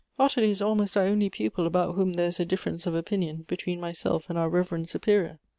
Ottilie is almost our only pupil about whom there is a diflference of opinion between myself and our reverend superior.